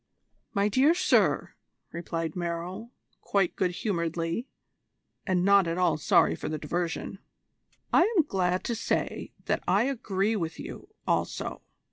"My dear sir," replied Merrill quite good humouredly, and not at all sorry for the diversion, "I am glad to say that I agree with you also.